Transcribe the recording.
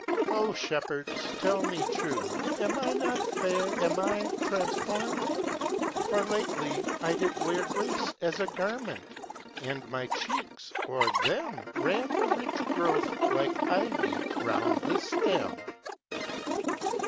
O shepherds, tell me true! Am I not fair? Am I transformed? For lately I did wear Grace as a garment; and my cheeks, o'er them Ran the rich growth like ivy round the stem.